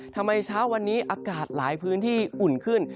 เช้าวันนี้อากาศหลายพื้นที่อุ่นขึ้น